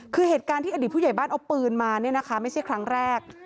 คือเหตุการณ์ที่อดีตผู้ใหญ่บ้านเอาปืนมาเนี่ยนะคะไม่ใช่ครั้งแรก